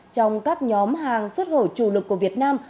trong các nhóm hàng xuất khẩu chủ lực của việt nam